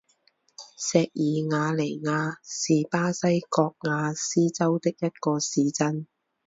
锡尔瓦尼亚是巴西戈亚斯州的一个市镇。